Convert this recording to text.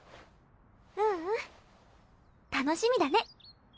ううん楽しみだね。